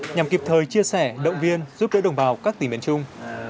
nhằm kịp thời chia sẻ động viên giúp đỡ đồng bào các tỉnh miền trung